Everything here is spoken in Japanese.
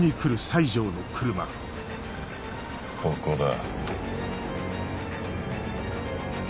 ここだ。